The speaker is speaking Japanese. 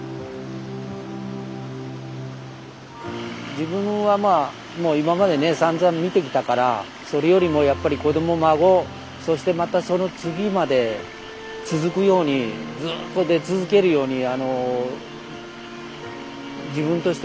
自分はまあもう今までねさんざん見てきたからそれよりもやっぱり子ども孫そしてまたその次まで続くようにずっと出続けるようにあの自分としては願ってますわ。